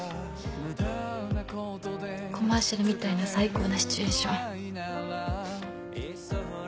コマーシャルみたいな最高なシチュエーション。